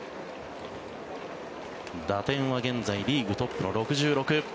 打点は現在リーグトップの６６。